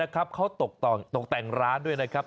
เขาตกแต่งร้านด้วยนะครับ